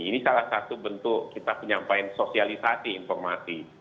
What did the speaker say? ini salah satu bentuk kita penyampaian sosialisasi informasi